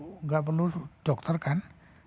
tapi ya gak perlu dokter kan